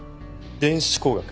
電子工学。